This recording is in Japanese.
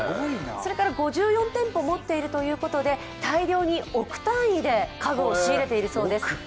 それから５４店舗持っているということで、大量に億単位で家具を仕入れているそうです。